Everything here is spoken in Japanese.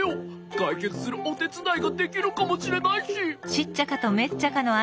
かいけつするおてつだいができるかもしれないし。